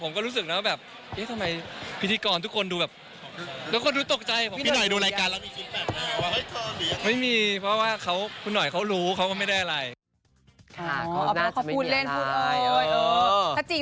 เมื่อวันนี้งานชุลมุนชุลเกด้วยความว่าซุปตาไปหลายคน